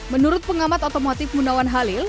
menurut pengamat otomotif gunawan halil